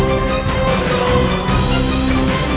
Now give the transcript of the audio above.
mereka sudah mengakhiri